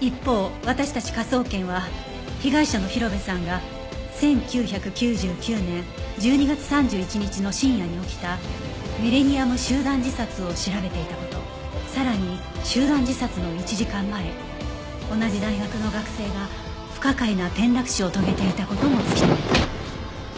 一方私たち科捜研は被害者の広辺さんが１９９９年１２月３１日の深夜に起きたミレニアム集団自殺を調べていた事さらに集団自殺の１時間前同じ大学の学生が不可解な転落死を遂げていた事も突き止めた